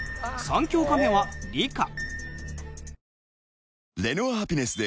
３教科目は理科。